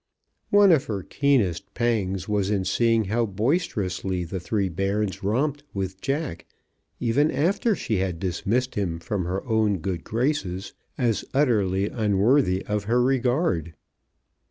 One of her keenest pangs was in seeing how boisterously the three bairns romped with "Jack" even after she had dismissed him from her own good graces as utterly unworthy of her regard.